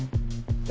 え？